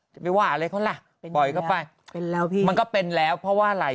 จะไปว่าอะไรเขาล่ะเป็นปล่อยเข้าไปเป็นแล้วพี่มันก็เป็นแล้วเพราะว่าอะไร